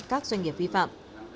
các doanh nghiệp vi phạm